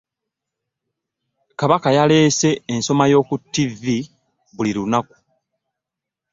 Kabaka yaleese ensoma y'okuttivi buli lunnaku.